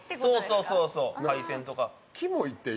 そうそう、海鮮とか。